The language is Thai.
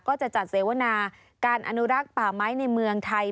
ก็จะจัดเสวนาการอนุรักษ์ป่าไม้ในเมืองไทย